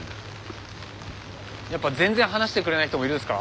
やっぱ全然話してくれない人もいるんすか？